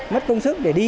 mất công sức để đi